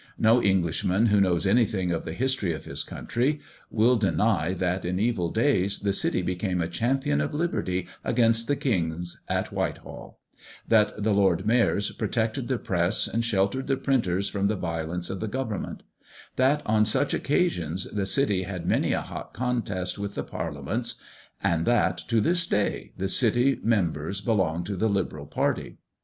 No Englishman who knows anything of the history of his country, will deny that in evil days the City became a champion of liberty against the kings at Whitehall; that the Lord Mayors protected the press, and sheltered the printers from the violence of the government; that on such occasions the City had many a hot contest with the parliaments, and that, to this day, the city members belong to the liberal party.